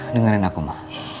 dengerin aku ma